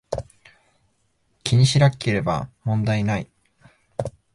気にしなければ問題無い